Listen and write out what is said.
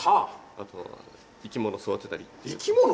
あとは生き物育てたり生き物？